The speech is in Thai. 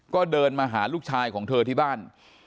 ก็เดินมาหาลูกชายของเธอที่บ้าน